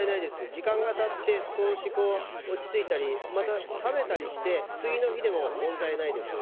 時間がたって落ち着いたり冷めたりして次の日でも問題ないです。